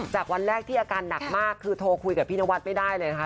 วันแรกที่อาการหนักมากคือโทรคุยกับพี่นวัดไม่ได้เลยนะคะ